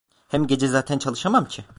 Hem gece zaten çalışamam ki.